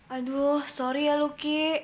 aduh sorry ya luki